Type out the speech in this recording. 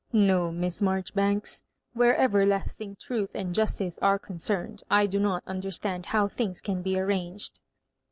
"No, Miss Marjoribanks. Where everlasting truth and justice are concerned, I do not understand how things can be arranged."